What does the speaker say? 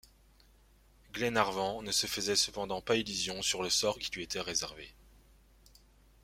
Glenarvan ne se faisait cependant pas illusion sur le sort qui lui était réservé.